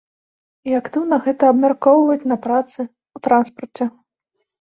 І актыўна гэта абмяркоўваюць на працы, у транспарце.